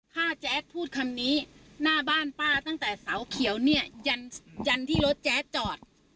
ถ้าแจ๊ดพูดคำนี้หน้าบ้านป้าตั้งแต่เสาเขียวเนี่ยยันยันที่รถแจ๊ดจอด